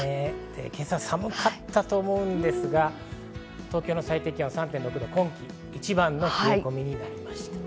今朝、寒かったと思うんですが東京の最低気温３．６度と今季一番の冷え込みになりました。